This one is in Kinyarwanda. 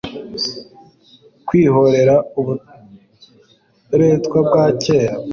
Kwihorera uburetwa bwa kera